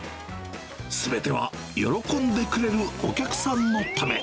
すべては喜んでくれるお客さんのため。